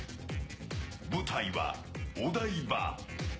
舞台は、お台場。